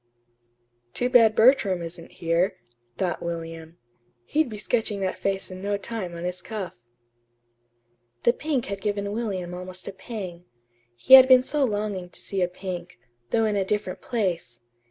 "Too bad Bertram isn't here," thought William. "He'd be sketching that face in no time on his cuff." The pink had given William almost a pang. He had been so longing to see a pink though in a different place.